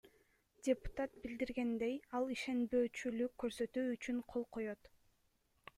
Депутат билдиргендей, ал ишенбөөчүлүк көрсөтүү үчүн кол койгон.